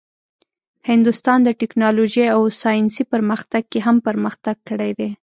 هندوستان د ټیکنالوژۍ او ساینسي پرمختګ کې هم پرمختګ کړی دی.